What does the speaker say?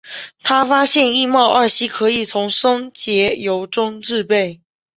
他发现异戊二烯可以从松节油中制备。